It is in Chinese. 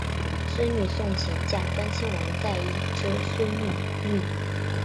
孙女诵琴嫁端亲王载漪之孙毓运。